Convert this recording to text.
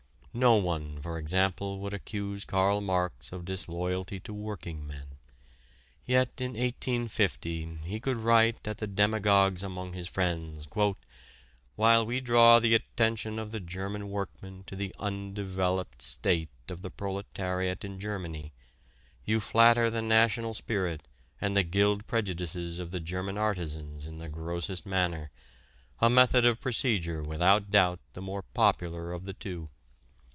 No one, for example, would accuse Karl Marx of disloyalty to workingmen. Yet in 1850 he could write at the demagogues among his friends: "While we draw the attention of the German workman to the undeveloped state of the proletariat in Germany, you flatter the national spirit and the guild prejudices of the German artisans in the grossest manner, a method of procedure without doubt the more popular of the two.